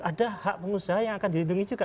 ada hak pengusaha yang akan dilindungi juga